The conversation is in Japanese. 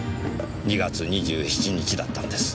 ２月２７日だったんです。